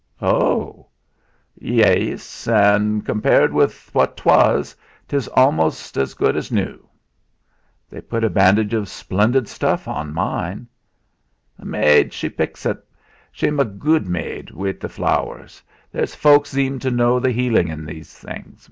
"Ho!" "Yeas; an' compared with what 'twas, 'tes almost so gude as nu." "They've put a bandage of splendid stuff on mine." "The maid she picks et. She'm a gude maid wi' the flowers. There's folks zeem to know the healin' in things.